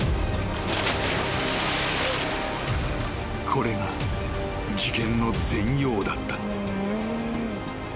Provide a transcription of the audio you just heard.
［これが事件の全容だった］